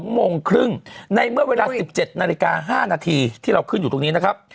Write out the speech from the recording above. โมงครึ่งในเมื่อเวลา๑๗นาฬิกา๕นาทีที่เราขึ้นอยู่ตรงนี้นะครับ